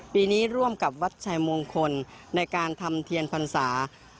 ปีนี้ร่วมกับวัดชายมงคลในการทำเทียนพรรษา